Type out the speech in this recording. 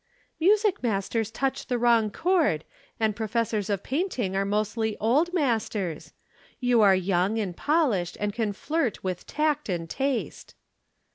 "Music masters touch the wrong chord, and professors of painting are mostly old masters. You are young and polished and can flirt with tact and taste."